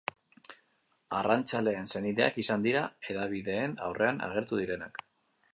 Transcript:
Arrantzaleen senideak izan dira hedabideen aurrean agertu direnak.